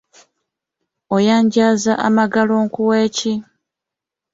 Oyanjaza amagalo nkuwe ki?